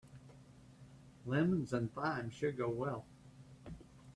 Lemons and thyme should go well.